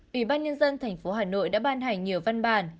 ủy ban nhân dân thành phố hà nội đã ban hành nhiều văn bản